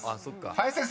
［林先生